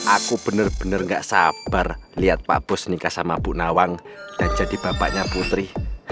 aku benar benar gak sabar lihat pak bos nikah sama bu nawang dan jadi bapaknya putri